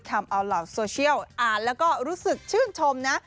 ทำเอาเหล่าโซเชียลอ่านแล้วก็รู้สึกชื่นชมนะ